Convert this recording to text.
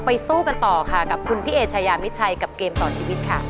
สู้กันต่อค่ะกับคุณพี่เอชายามิดชัยกับเกมต่อชีวิตค่ะ